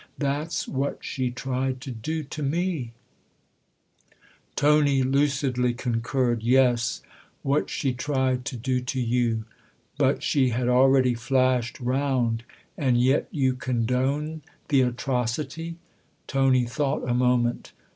That's what she tried to do to me !" Tony lucidly concurred. " Yes what she tried to do to you." But she had already flashed round. " And yet you condone the atrocity ?" Tony thought a moment.